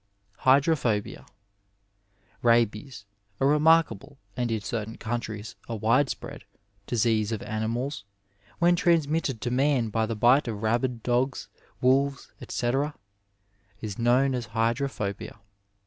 Hydrophobia. — ^Rabies, a remarkable, and in certain countries a widespread, disease of animals, when trans mitted to a man by the bite of rabid dog9, wolves, etc.; is known as hydrophobia.